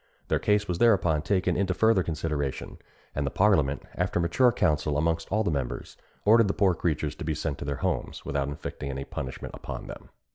Their case was thereupon taken into further consideration; and the parliament, after mature counsel amongst all the members, ordered the poor creatures to be sent to their homes, without inflicting any punishment upon them."